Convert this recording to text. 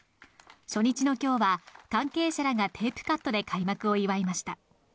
初日のきょうは、関係者らがテープカットで開幕を祝いました。